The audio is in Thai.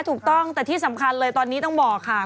ถูกต้องแต่ที่สำคัญเลยตอนนี้ต้องบอกค่ะ